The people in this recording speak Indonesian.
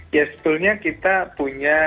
ya sebetulnya kita punya